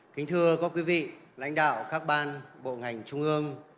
kính thưa quý vị lãnh đạo các ban bộ ngành trung ương